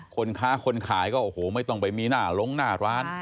คนซื้อค่าคนขายก็ไม่ต้องไปมีหน้าหลงหน้าร้าน